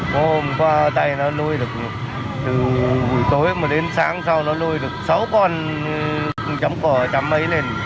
hôm qua tay nó nuôi được từ buổi tối mà đến sáng sau nó nuôi được sáu con chấm cỏ chấm mấy lên